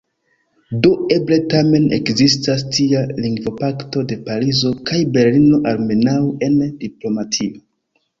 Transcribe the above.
Do eble tamen ekzistas tia lingvopakto de Parizo kaj Berlino – almenaŭ en diplomatio.